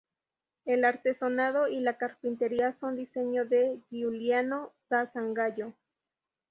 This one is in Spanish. El artesonado y la carpintería son diseño de Giuliano da Sangallo.